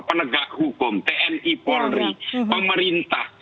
penegak hukum tni polri pemerintah